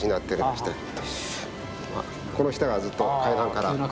この下がずっと階段から。